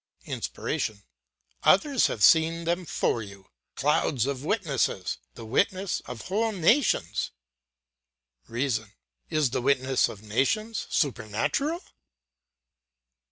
"INSPIRATION: Others have seen them for you. Clouds of witnesses the witness of whole nations.... "REASON: Is the witness of nations supernatural?